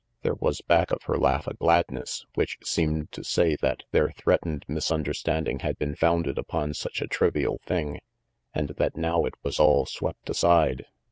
There was back of her laugh a gladness, which seemed to say that their threatened misunderstand ing had been founded upon such a trivial thing, and that now it was all swept aside.